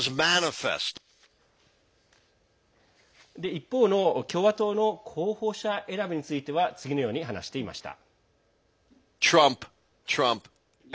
一方の共和党の候補者選びについては次のように話していました。